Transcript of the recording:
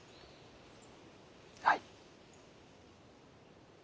はい。